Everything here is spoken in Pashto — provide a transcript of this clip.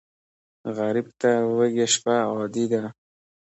غریب ته وږې شپه عادي ده